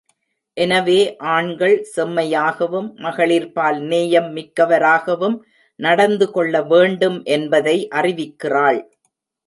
எனவே ஆண்கள் செம்மையாகவும், மகளிர்பால் நேயம் மிக்கவராகவும் நடந்து கொள்ள வேண்டும் என்பதை அறிவிக்கிறாள்.